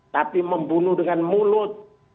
tapi membunuh dengan mulut